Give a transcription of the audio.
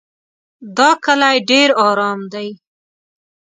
دا کلی ډېر ارام دی.